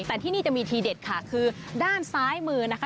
แต่ที่นี่จะมีทีเด็ดค่ะคือด้านซ้ายมือนะคะ